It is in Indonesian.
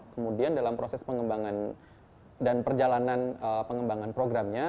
kemudian dalam proses pengembangan dan perjalanan pengembangan programnya